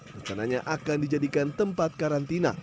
rencananya akan dijadikan tempat karantina